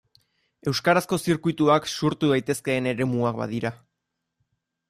Euskarazko zirkuituak sortu daitezkeen eremuak badira.